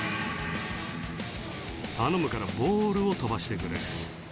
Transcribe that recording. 「頼むからボールを飛ばしてくれ」